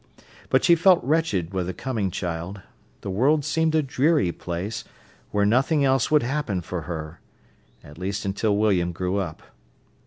But she felt wretched with the coming child. The world seemed a dreary place, where nothing else would happen for her—at least until William grew up.